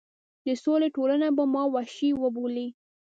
د سولې ټولنه به ما وحشي وبولي.